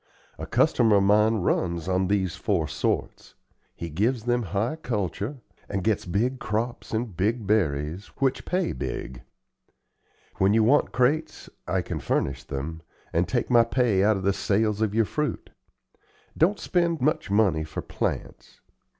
A customer of mine runs on these four sorts. He gives them high culture, and gets big crops and big berries, which pay big. When you want crates, I can furnish them, and take my pay out of the sales of your fruit. Don't spend much money for plants.